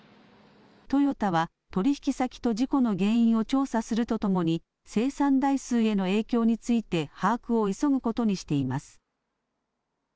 トヨタは取引先と事故の原因を調査するとともに生産台数への影響について把握を急ぐことにしています。